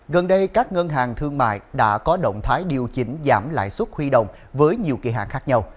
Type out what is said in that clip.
gần đây các ngân hàng thương mại đã có động thái điều chỉnh giảm lãi suất huy động với nhiều kỳ hạng khác nhau